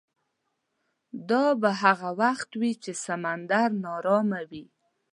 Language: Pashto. دا به هغه وخت وي چې سمندر ناارامه وي.